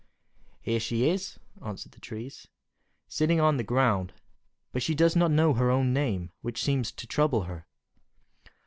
"She is here," answered the trees, "sitting on the ground; but she does not know her own name, which seems to trouble her."